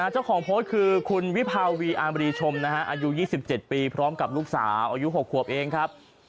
เจ้าของโพสต์คือคุณวิภาวีอามรีชมอายุ๒๗ปีพร้อมกับลูกสาวอายุ๖ขวบเองครับ